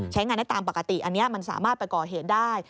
ใช้งานได้ตามปกติอันนี้มันสามารถไปก่อเหตุได้